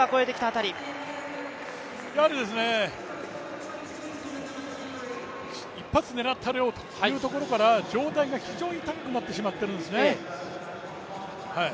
やはり一発狙ってやろうというところから、上体が非常に高くなってしまっているんですね。